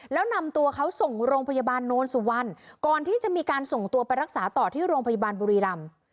แล้วนำตัวเขาส่งโรงพยาบาลโนนสุวรรณก่อนที่จะมีการส่งตัวไปรักษาต่อที่โรงพยาบาลบุรีรำ